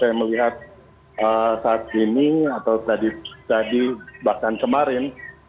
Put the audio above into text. saya melihat saat ini atau tadi bahkan kemarin